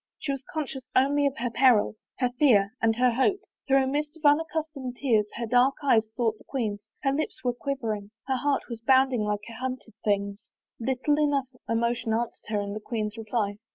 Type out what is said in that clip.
She was conscious only of her peril, her fear, and her hope. Through a mist of unaccustomed tears her dark eyes sought the queen's; her lips were quivering, her heart was bounding like a hunted thing's. Little enough emotion answered her in the queen's reply.